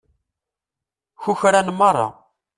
Kukran merra.